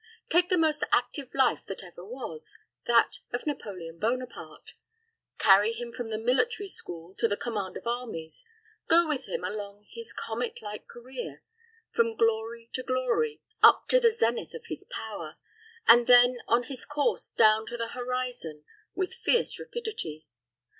Take the most active life that ever was, that of Napoleon Bonaparte; carry him from the military school to the command of armies; go with him along his comet like career, from glory to glory up to the zenith of his power, and then on his course down to the horizon with fierce rapidity.